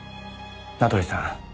名取さん